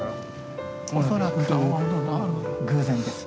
恐らく偶然です。